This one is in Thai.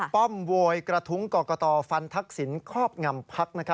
ป้อมโวยกระทุ้งกรกตฟันทักษิณครอบงำพัก